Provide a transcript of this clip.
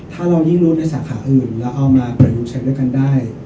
ถ้าเรายิ่งรู้ในสาขาอื่นแล้วเอามาเปิดดูเช็คด้วยกันได้